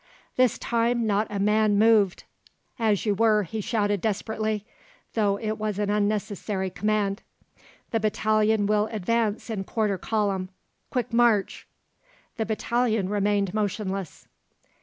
This time not a man moved. "As you were," he shouted desperately, though it was an unnecessary command. "The battalion will advance in quarter column. Quick march!" The battalion remained motionless.